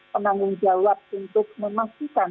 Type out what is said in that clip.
penanggung jawab untuk memastikan